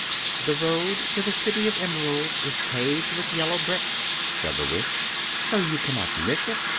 "The road to the City of Emeralds is paved with yellow brick," said the Witch, "so you cannot miss it.